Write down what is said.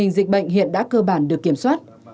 dịch bệnh hiện đã cơ bản được kiểm soát